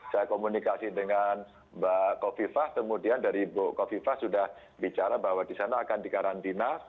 saya komunikasi dengan mbak kofifah kemudian dari ibu kofifah sudah bicara bahwa disana akan dikarantina